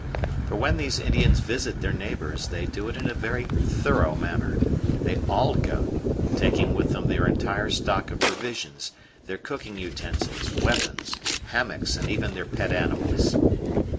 For when these Indians visit their neighbours they do it in a very thorough manner; they all go, taking with them their entire stock of provisions, their cooking utensils, weapons, hammocks, and even their pet animals.